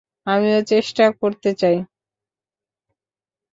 আমিও চেষ্টা করতে চাই।